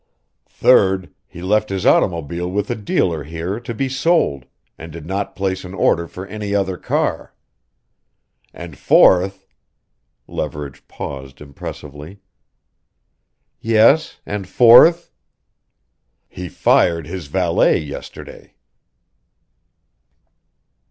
Third, he left his automobile with a dealer here to be sold, and did not place an order for any other car. And fourth " Leverage paused impressively. "Yes and fourth?" "He fired his valet yesterday!"